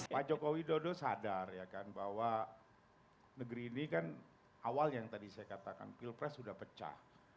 pak joko widodo sadar ya kan bahwa negeri ini kan awal yang tadi saya katakan pilpres sudah pecah